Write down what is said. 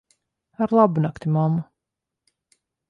Ar labu nakti, mammu.